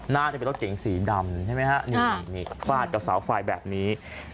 น่าจะเป็นรถเก๋งสีดำใช่ไหมฮะนี่ฟาดกับเสาไฟแบบนี้